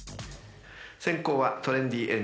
［先攻はトレンディ